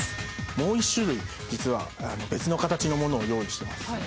もう１種類実は別の形のものを用意しています。